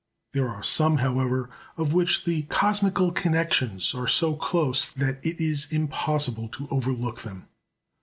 There are some, however, of which the cosmical connections are so close that it is impossible to overlook them.